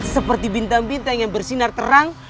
seperti bintang bintang yang bersinar terang